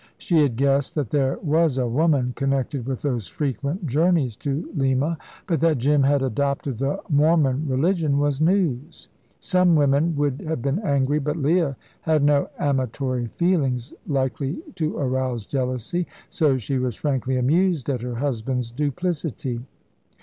She had guessed that there was a woman connected with those frequent journeys to Lima, but that Jim had adopted the Mormon religion was news. Some women would have been angry, but Leah had no amatory feelings likely to arouse jealousy, so she was frankly amused at her husband's duplicity.